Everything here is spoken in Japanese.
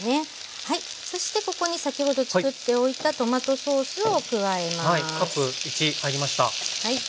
そしてここに先ほどつくっておいたトマトソースを加えます。